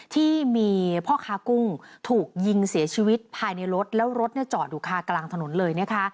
ที่มีพ่อค้ากุ้งถูกยิงเสียชีวิตภายในรถแล้วรถจอดอยู่คากลางถนนเลยนะคะ